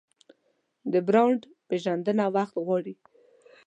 د برانډ پیژندنه وخت غواړي.